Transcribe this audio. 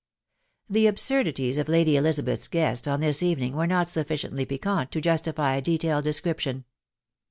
The absurdities of Lady Elizabeth's guests on this evening were not sufficiently piquant to justify a detailed description.